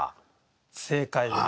正解です。